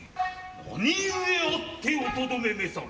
何故あっておとどめ召さる。